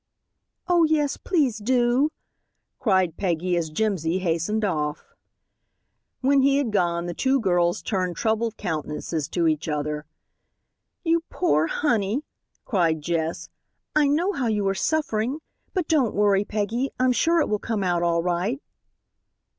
"Oh, yes, please do," cried Peggy, as Jimsy hastened off. When he had gone the two girls turned troubled countenances to each other. "You poor honey," cried Jess, "I know how you are suffering. But don't worry, Peggy, I'm sure it will come out all right."